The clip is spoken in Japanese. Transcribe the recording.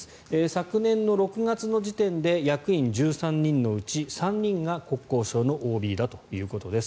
昨年の６月の時点で役員１３人のうち３人が国交省のＯＢだということです。